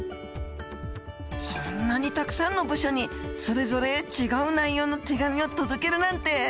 そんなにたくさんの部署にそれぞれ違う内容の手紙を届けるなんて。